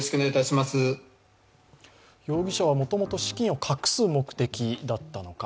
容疑者はもともと資金を隠す目的だったのか。